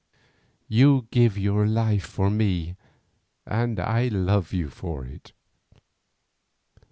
"You give your life for me and I love you for it."